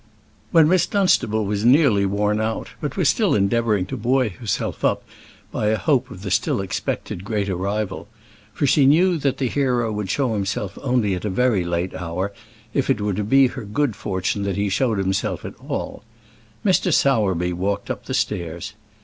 When Miss Dunstable was nearly worn out, but was still endeavouring to buoy herself up by a hope of the still expected great arrival for she knew that the hero would show himself only at a very late hour if it were to be her good fortune that he showed himself at all Mr. Sowerby walked up the stairs.